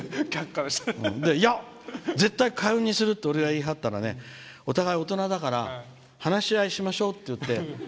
いや、絶対に「開運」にするって言い張ったらお互い大人だから話し合いしましょうって言って。